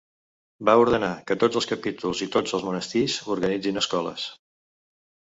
Va ordenar que tots els capítols i tots els monestirs organitzin escoles.